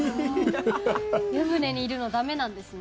湯船にいるの駄目なんですね。